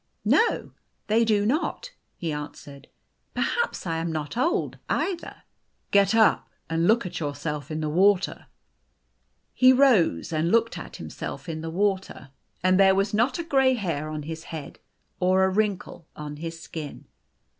"No, they do not," he answered. "Perhaps I am. not old either." " Get up and look at yourself in the water." He rose and looked at himself in the water, and there was not a gray hair on his head or a wrinkle on his skin.